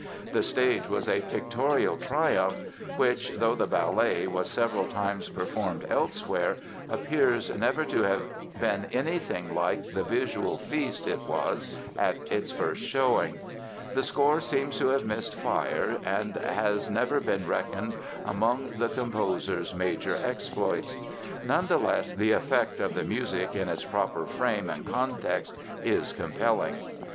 The staging was a pictorial triumph which, though the ballet was several times performed elsewhere, appears never to have been anything like the visual feast it was at its first showing. The score seems to have missed fire and has never been reckoned among the composer's major exploits. None the less the effect of the music in its proper frame and context is compelling.